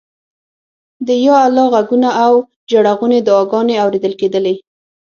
د یا الله غږونه او ژړغونې دعاګانې اورېدل کېدلې.